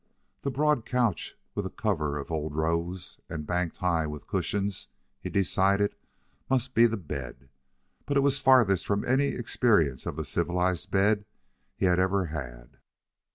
The broad couch, with a cover of old rose and banked high with cushions, he decided must be the bed, but it was farthest from any experience of a civilized bed he had ever had.